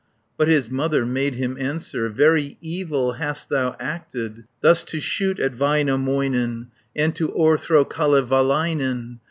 But his mother made him answer, "Very evil hast thou acted, 230 Thus to shoot at Väinämöinen And to o'erthrow Kalevalainen.